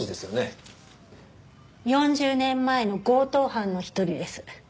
４０年前の強盗犯の一人です。